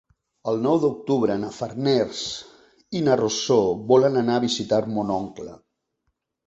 El nou d'octubre na Farners i na Rosó volen anar a visitar mon oncle.